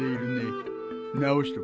直しとけよ。